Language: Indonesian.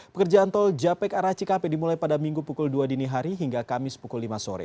pekerjaan tol japek arah cikampek dimulai pada minggu pukul dua dini hari hingga kamis pukul lima sore